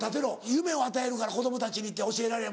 夢を与えるから子供たちに」って教えられ。